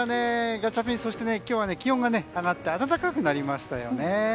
ガチャピン、そして今日は気温が上がって暖かくなりましたね。